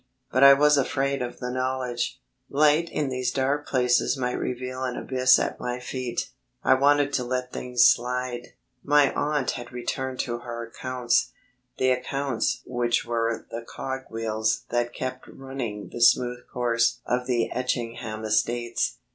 But I was afraid of the knowledge. Light in these dark places might reveal an abyss at my feet. I wanted to let things slide. My aunt had returned to her accounts, the accounts which were the cog wheels that kept running the smooth course of the Etchingham estates.